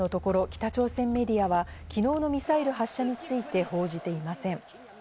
北朝鮮メディアは、昨日のミサイル発射について報じていません。